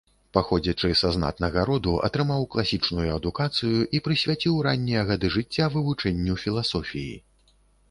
Паходзячы са знатнага роду, атрымаў класічную адукацыю і прысвяціў раннія гады жыцця вывучэнню філасофіі.